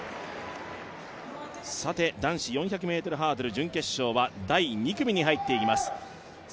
男子４００ｍハードル準決勝は第２組に入っていきます。